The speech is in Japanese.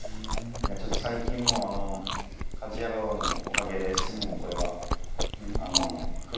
ちょっと最近もうあの『家事ヤロウ！！！』のおかげです